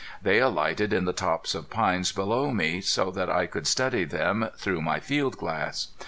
They alighted in the tops of pines below me, so that I could study them through my field glass.